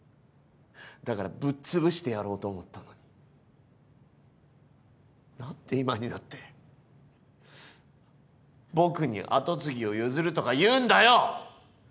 だからぶっつぶしてやろうと思ったのに何で今になって僕に跡継ぎを譲るとか言うんだよ！？